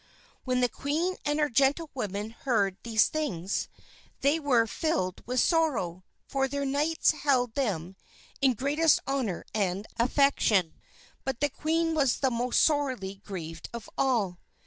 When the queen and her gentlewomen heard these things, they were filled with sorrow, for their knights held them in great honor and affection, but the queen was the most sorely grieved of all.